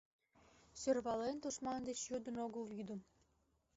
Сӧрвален, тушман деч йодын огыл вӱдым.